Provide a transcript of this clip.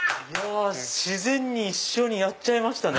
自然に一緒にやっちゃいました。